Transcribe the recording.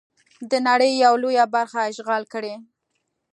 د نړۍ یوه لویه برخه اشغال کړي.